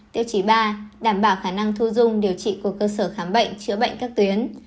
tiêu chí ba đảm bảo khả năng thu dung điều trị của cơ sở khám bệnh chữa bệnh các tuyến